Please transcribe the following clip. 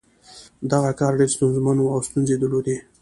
دغه کار ډېر ستونزمن و او ستونزې یې درلودې